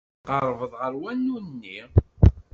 Tqerrbeḍ ɣer wanu-nni.